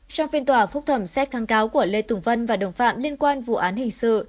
trong phiên tòa phúc thẩm xét kháng cáo của lê tùng vân và đồng phạm liên quan vụ án hình sự